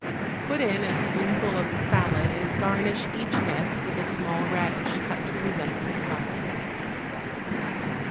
Put in a spoonful of the salad and garnish each nest with a small radish cut to resemble a flower.